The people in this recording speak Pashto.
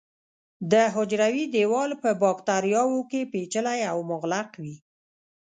د حجروي دیوال په باکتریاوو کې پېچلی او مغلق وي.